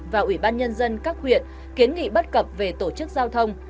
và ủy ban nhân dân các huyện kiến nghị bất cập về tổ chức giao thông